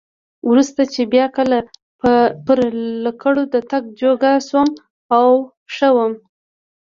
وروسته چې بیا کله پر لکړو د تګ جوګه شوم او ښه وم.